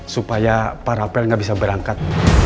supaya parapel nggak bisa berangkat